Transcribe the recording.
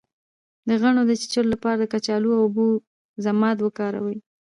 د غڼې د چیچلو لپاره د کچالو او اوبو ضماد وکاروئ